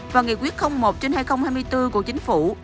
và nghị quyết một trên hai nghìn hai mươi bốn của chính phủ